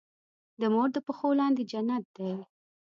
د مور د پښو لاندې جنت دی.